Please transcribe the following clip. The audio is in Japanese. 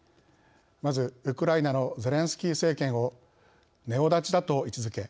まずウクライナのゼレンスキー政権をネオナチだと位置づけ